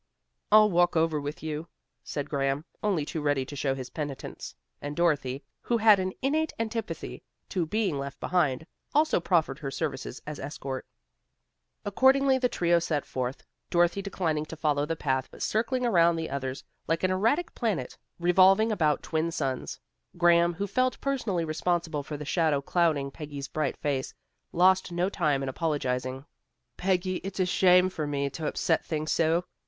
"I'll walk over with you," said Graham, only too ready to show his penitence, and Dorothy, who had an innate antipathy to being left behind, also proffered her services as escort. Accordingly the trio set forth, Dorothy declining to follow the path but circling around the others, like an erratic planet, revolving about twin suns. Graham, who felt personally responsible for the shadow clouding Peggy's bright face, lost no time in apologizing. "Peggy, it's a shame for me to upset things so.